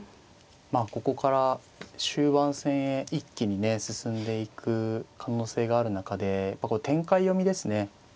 まあここから終盤戦へ一気にね進んでいく可能性がある中で展開読みですね。